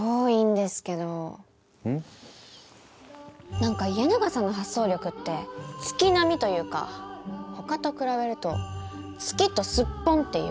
なんかイエナガさんの発想力って月並みというか他と比べると月とすっぽんっていうか。